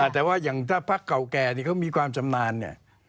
แต่ว่าอย่างถ้าพักเก่าแก่ที่เขามีความชำนาญเนี่ย